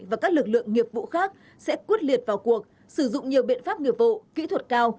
và các lực lượng nghiệp vụ khác sẽ quyết liệt vào cuộc sử dụng nhiều biện pháp nghiệp vụ kỹ thuật cao